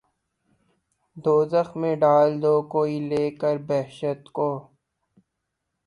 دوزخ میں ڈال دو‘ کوئی لے کر بہشت کو